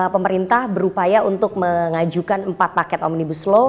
pemerintah berupaya untuk mengajukan empat paket omnibus law